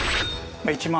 １万。